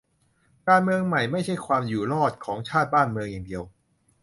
การเมืองใหม่ไม่ใช่ความอยู่รอดของชาติบ้านเมืองอย่างเดียว